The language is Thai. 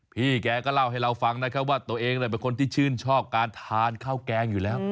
พี่แกก็เล่าให้เราฟังนะครับว่าตัวเองเป็นคนที่ชื่นชอบการทานข้าวแกงอยู่แล้ว